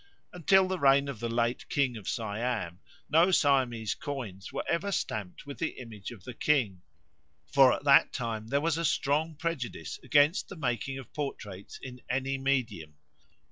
Until the reign of the late King of Siam no Siamese coins were ever stamped with the image of the king, "for at that time there was a strong prejudice against the making of portraits in any medium.